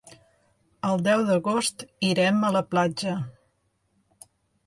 El deu d'agost irem a la platja.